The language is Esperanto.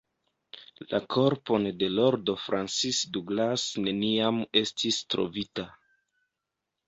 La korpon de Lordo Francis Douglas neniam estis trovita.